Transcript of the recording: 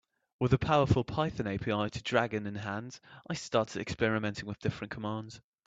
With a powerful Python API to Dragon in hand, I started experimenting with different commands.